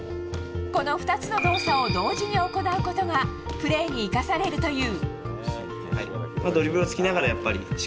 この２つの動作を同時に行うことがプレーに生かされるという。